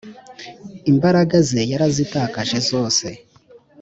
imbaraga ze yarazitakaje zose